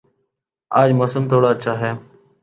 آج موسم تھوڑا اچھا ہے